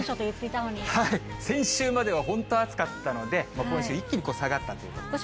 先週までは本当暑かったので、今週、一気に下がったということですね。